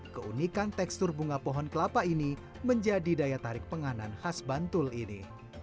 keunikan tekstur bunga pohon kelapa ini menjadi daya tarik penganan khas bantul ini